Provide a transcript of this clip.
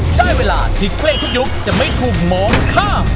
ได้เวลาที่เพลงทุกยกจะไม่ถูกมองข้าม